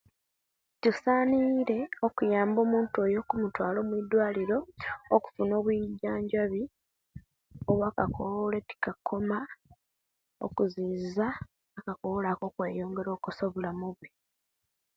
Kisaanire, okuyamba omuntu oyo okumutwala omwidwaliro okufuna obwinjanjabi obwakakowolo etikakoma okuziiza akakowolo ako okweyongera okukosa obulamu bwe.